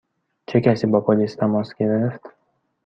چه کسی با پلیس تماس گرفت؟